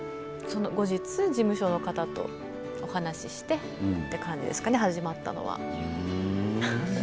後日事務所の方とお話をしてっていう感じでしょうかね、始まったのは。